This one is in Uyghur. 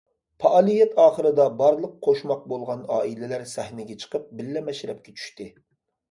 پائالىيەت ئاخىرىدا، بارلىق قوشماق بولغان ئائىلىلەر سەھنىگە چىقىپ، بىللە مەشرەپكە چۈشتى.